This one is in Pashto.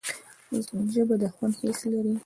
ژبه د خوند حس لري